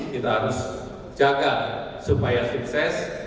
kita harus jaga supaya sukses